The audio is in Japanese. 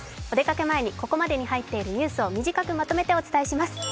お出かけ前にここまでに入っているニュースを短くまとめてお伝えします。